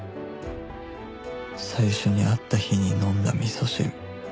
最初に会った日に飲んだ味噌汁